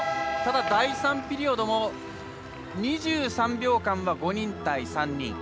ただ、第３ピリオドも２３秒間は５人対３人。